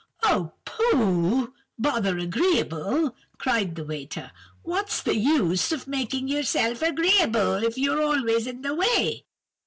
"'Oh—pooh!—bother agreeable,' cried the waiter. 'What's the use of making yourself agreeable, if you're always in the way?